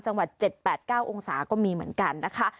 จังหวัดเจ็ดแปดเก้าองศาก็มีเหมือนกันนะคะ